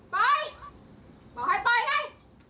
ไปบอกให้ไปเลย